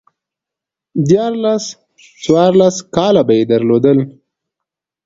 ديارلس، څوارلس کاله به يې درلودل